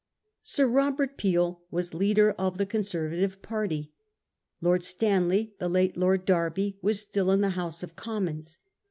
Sir Robert Peel was leader of the Conservative party. Lord Stanley, the late Lord Derby, was still in the House of Com m ons.